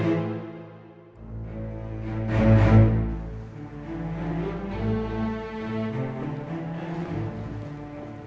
benci pakaian kl anxious